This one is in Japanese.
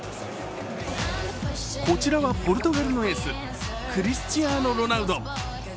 こちらはポルトガルのエースクリスチアーノ・ロナウド。